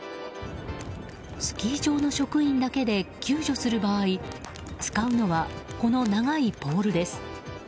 スキー場の職員だけで救助する場合使うのはこの長いポールです。